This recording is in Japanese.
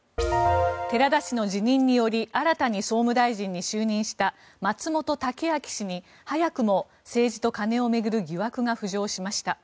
寺田氏の辞任により新たに総務大臣に就任した松本剛明氏に早くも政治と金を巡る疑惑が浮上しました。